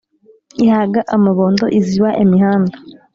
Ihaga amabondo iziba imihanda